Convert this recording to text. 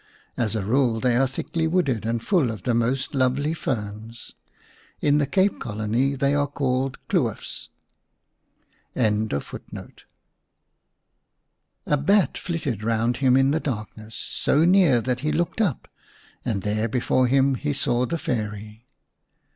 As a rule they are thickly wooded and full of the most lovely ferns. In the Cape Colony they are called "kloofs." 25 The King's Son " A bat flitted round him in the darkness, so near that he looked up, and there before him he saw the Fairy.